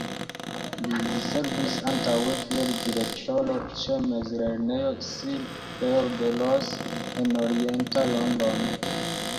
Li servis antaŭe kiel Direktoro ĉe Mezlernejo Sir George Ross en orienta Londono.